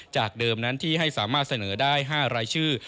จากเดิมนั้นที่ให้สามารถเสนอได้๕รายชื่อ